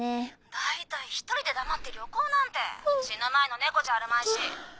大体１人で黙って旅行なんて死ぬ前の猫じゃあるまいし。